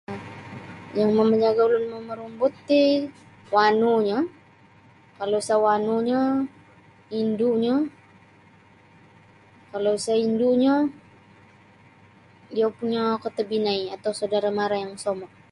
Yang mamajaga ulun mamarumbut ti wanunyo kalau isa wanunyo indunyo kalau sa indunyo iyo punyo katabinai atau saudara mara yang mosomok.